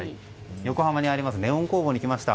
横浜にあるネオン工房に来ました。